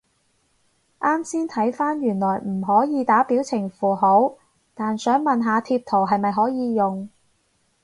啱先睇返原來唔可以打表情符號，但想問下貼圖係咪可以用？